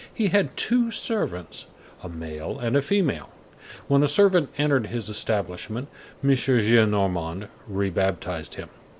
He had two servants, "a male and a female." When a servant entered his establishment, M. Gillenormand re baptized him.